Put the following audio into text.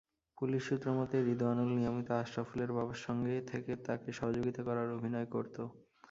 Police সূত্রমতে, রিদোয়ানুল নিয়মিত আশরাফুলের বাবার সঙ্গে থেকে তাঁকে সহযোগিতা করার অভিনয় করত।